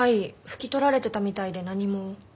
拭き取られてたみたいで何も。